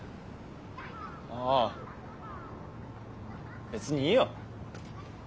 ああ別にいいよ。